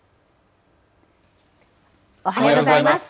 おはようございます。